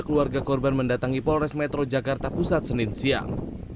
keluarga korban mendatangi polres metro jakarta pusat senin siang